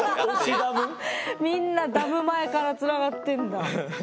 みんなダム前からつながってんだ。